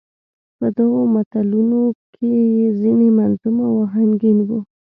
په دغو متلونو کې يې ځينې منظوم او اهنګين وو.